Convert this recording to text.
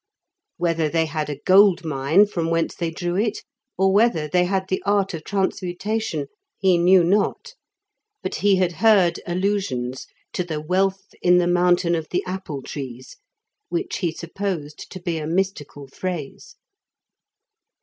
Whether they had a gold mine from whence they drew it, or whether they had the art of transmutation, he knew not, but he had heard allusions to the wealth in the mountain of the apple trees, which he supposed to be a mystical phrase.